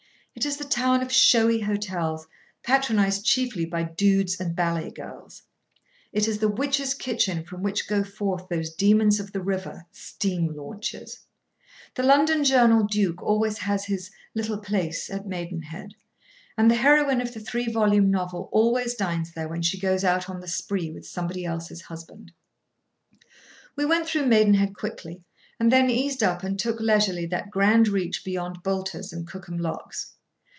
It is the town of showy hotels, patronised chiefly by dudes and ballet girls. It is the witch's kitchen from which go forth those demons of the river—steam launches. The London Journal duke always has his "little place" at Maidenhead; and the heroine of the three volume novel always dines there when she goes out on the spree with somebody else's husband. [Picture: River scene] We went through Maidenhead quickly, and then eased up, and took leisurely that grand reach beyond Boulter's and Cookham locks.